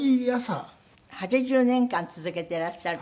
８０年間続けていらっしゃるそうですが。